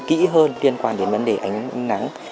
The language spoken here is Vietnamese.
kỹ hơn liên quan đến vấn đề ánh nắng